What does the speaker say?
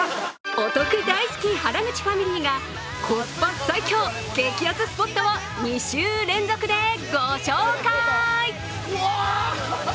お得大好き、原口ファミリーがコスパ最強激熱スポットを２週連続でご紹介。